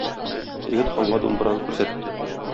Егет ханга думбраны күрсәтте.